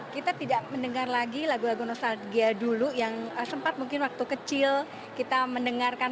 kita tidak mendengar lagi lagu lagu nostalgia dulu yang sempat mungkin waktu kecil kita mendengarkan